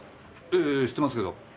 ええ知ってますけど。